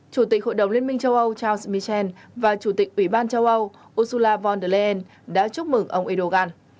chủ tịch hội đồng liên minh châu âu charunce michel và chủ tịch ủy ban châu âu ursula von der leyen đã chúc mừng ông erdogan